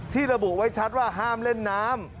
ระบุไว้ชัดว่าห้ามเล่นน้ำ